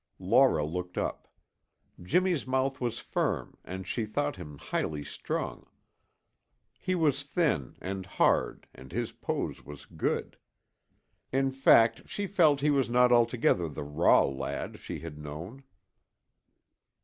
Laura looked up. Jimmy's mouth was firm and she thought him highly strung. He was thin and hard and his pose was good. In fact, she felt he was not altogether the raw lad she had known.